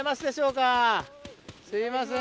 すいません